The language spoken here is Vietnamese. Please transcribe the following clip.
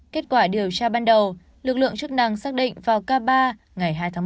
kết quả điều tra ban đầu lực lượng chức năng xác định vào k ba ngày hai tháng một